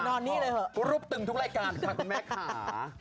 นอนนี่เลยเถอะรวบตึงทุกรายการค่ะคุณแม่ค่ะ